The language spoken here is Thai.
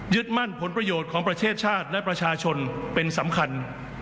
มั่นผลประโยชน์ของประเทศชาติและประชาชนเป็นสำคัญ